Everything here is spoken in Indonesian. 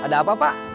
ada apa pak